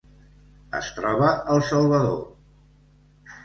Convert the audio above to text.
Es troba al Salvador.